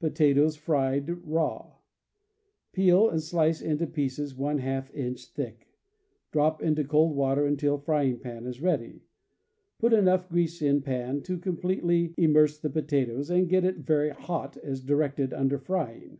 Potatoes, Fried Raw. — Peel, and slice into pieces h inch thick. Drop into cold water until frying pan is ready. Put enough grease in pan to completely im merse the potatoes, and get it very hot, as directed under Frying.